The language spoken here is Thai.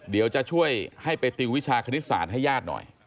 เดี๋ยวจะช่วยให้ไปติววิชาคณิตศาสตร์ให้ญาติหน่อย